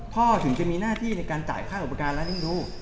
พ่อถึงจะมีหน้าที่ในการจ่ายค่าอุปการณ์และเริ่มรู้